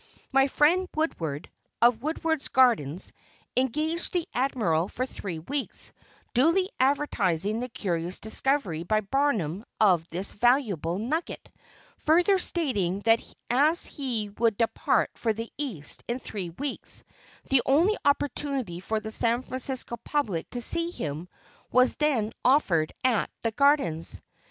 My friend Woodward, of Woodward's Gardens, engaged the Admiral for three weeks, duly advertising the curious discovery by Barnum of this valuable "nugget," further stating that as he would depart for the East in three weeks the only opportunity for the San Francisco public to see him was then offered at the Gardens.